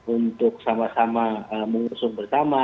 untuk sama sama mengusung bersama